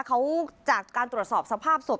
เขาจากการตรวจสอบสภาพศพ